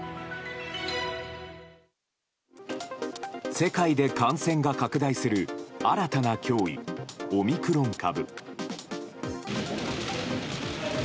世界で感染が拡大する新たな脅威オミクロン株。